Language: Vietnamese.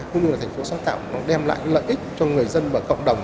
cũng như là thành phố sáng tạo nó đem lại lợi ích cho người dân và cộng đồng